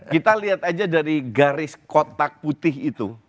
kita lihat aja dari garis kotak putih itu